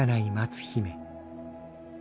姫！